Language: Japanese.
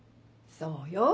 そうよ。